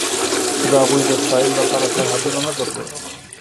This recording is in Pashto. د هغوی د ستایلو لپاره سرحدونه نه درلودل.